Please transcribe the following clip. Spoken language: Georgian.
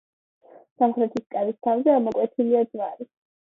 სამხრეთი კარის თავზე ამოკვეთილია ჯვარი.